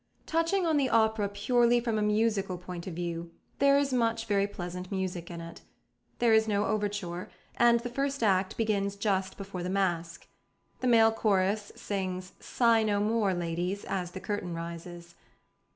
Touching on the opera purely from a musical point of view, there is much very pleasant music in it. There is no overture, and the first act begins just before the masque. The male chorus sings "Sigh no more, ladies" as the curtain rises.